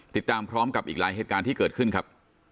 ติดตามพร้อมกับอีกหลายเหตุการณ์ที่เกิดขึ้นครับ